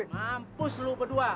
mampus lu berdua